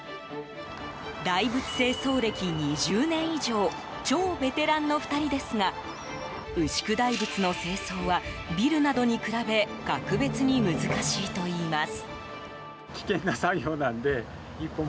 大仏清掃歴２０年以上超ベテランの２人ですが牛久大仏の清掃はビルなどに比べ格別に難しいといいます。